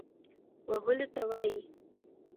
وهلو ته وايي.